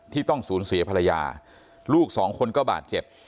ต้องสูญเสียภรรยาลูกสองคนก็บาดเจ็บ